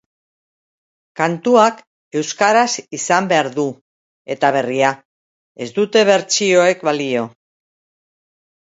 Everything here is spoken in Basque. Kantuak euskaraz izan behar du eta berria, ez dute bertsioek balio.